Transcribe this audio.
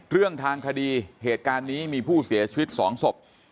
เรื่องทางคดีเหตุการณ์นี้มีผู้เสียชีวิต๒ศพ